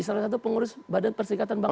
salah satu pengurus badan perserikatan bangsa